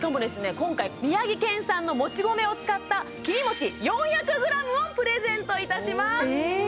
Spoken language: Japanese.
今回宮城県産のもち米を使った切り餅４００ｇをプレゼントいたしますえっ！？